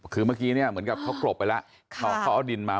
คือเมื่อกี้เนี่ยเหมือนกับเขากรบไปแล้วเขาเอาดินมา